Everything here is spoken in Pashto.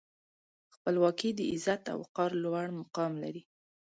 خپلواکي د عزت او وقار لوړ مقام لري.